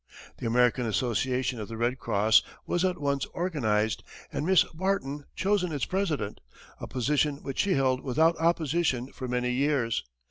The American Association of the Red Cross was at once organized, and Miss Barton chosen its president, a position which she held without opposition for many years.